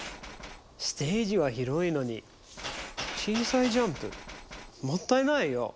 ステージは広いのに小さいジャンプでもったいないよ。